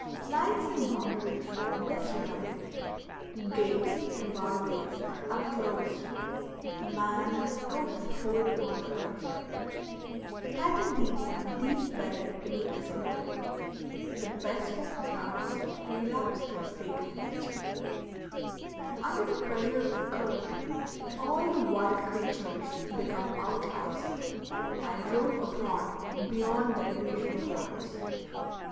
Lines and boundaries are disregarded; gates and bar ways are unclosed; man lets go his hold upon the earth; title deeds are deep buried beneath the snow; the best kept grounds relapse to a state of nature; under the pressure of the cold all the wild creatures become outlaws, and roam abroad beyond their usual haunts.